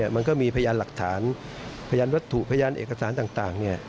มันก็มีพยานหลักฐานพยานวัตถุพยานเอกสารต่าง